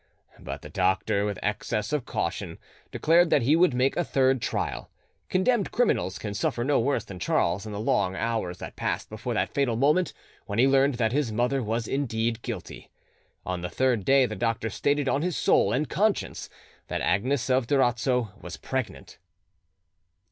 But the doctor, with excess of caution, declared that he would make a third trial. Condemned criminals can suffer no worse than Charles in the long hours that passed before that fatal moment when he learned that his mother was indeed guilty. On the third day the doctor stated on his soul and conscience that Agnes of Durazzo was pregnant.